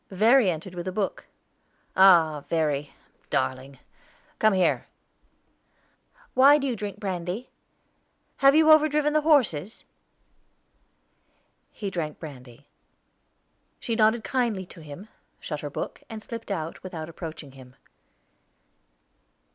Verry entered with a book. "Ah, Verry, darling, come here." "Why do you drink brandy? Have you over driven the horses?" He drank the brandy. She nodded kindly to him, shut her book, and slipped out, without approaching him.